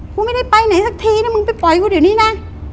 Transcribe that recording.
กูไม่ได้ไปไหนสักทีนะมึงไปปล่อยกูเดี๋ยวนี้นะ